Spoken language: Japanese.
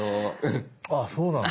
あっそうなんだ。